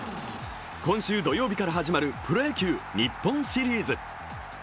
今週土曜日から始まるプロ野球日本シリーズ。